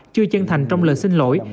chưa chân thành trong lời xin lỗi